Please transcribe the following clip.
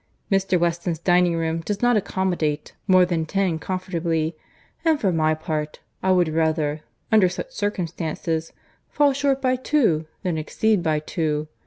Mr. Weston's dining room does not accommodate more than ten comfortably; and for my part, I would rather, under such circumstances, fall short by two than exceed by two.